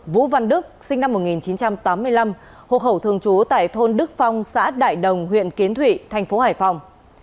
vũ văn đức sinh năm một nghìn chín trăm tám mươi năm hộ khẩu thường trú tại thôn đức phong xã đại đồng huyện kiến thụy thành phố hải phòng